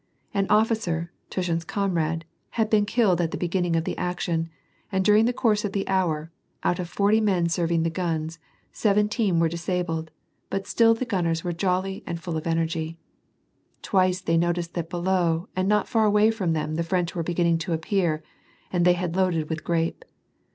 An officer, Tushin's comrade, had been killed at the begin ning of the action, and during the course of the hour, out of forty men serving the guns, seventeen were disabled, but still the gunners were jolly and full of energy. Twice they noticed that below and not far away from them the French were begin ning to appear, and they had loaded with grape.